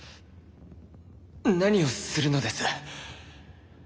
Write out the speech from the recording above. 何をするのです？